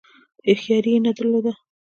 هوښیاري نه درلوده.